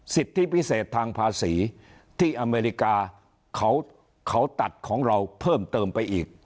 สิทธิพิเศษทางภาษีที่อเมริกาเขาตัดของเราเพิ่มเติมไปอีก